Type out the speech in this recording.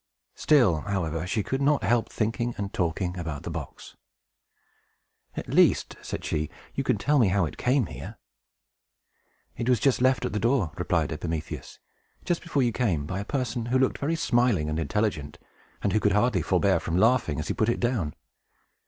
Still, however, she could not help thinking and talking about the box. "At least," said she, "you can tell me how it came here." "It was just left at the door," replied Epimetheus, "just before you came, by a person who looked very smiling and intelligent, and who could hardly forbear laughing as he put it down.